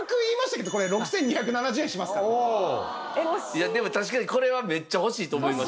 いやでも確かにこれはめっちゃ欲しいと思います。